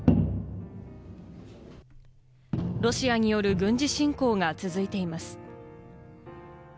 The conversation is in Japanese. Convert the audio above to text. ロシアによる軍事侵攻が続いています。